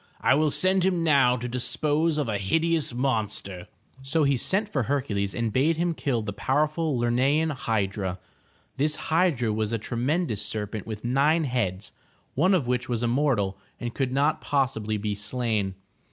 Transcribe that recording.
I will send him now to dispose of a hideous monster.'' So he sent for Hercules and bade him kill the powerful Ler'ne an hydra. This hydra was a tremendous serpent with nine heads, one of which was immortal and could not possibly be slain.